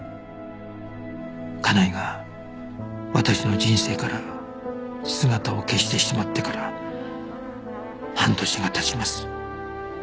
家内が私の人生から姿を消してしまってから半年が経ちます